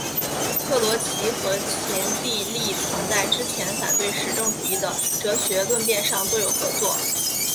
克罗齐和秦梯利曾在之前反对实证主义的哲学论辩上多有合作。